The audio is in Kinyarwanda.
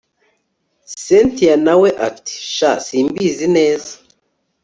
cyntia nawe ati shn simbizi pe